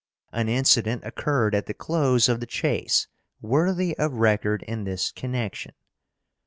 An incident occurred at the close of the chase worthy of record in this connection.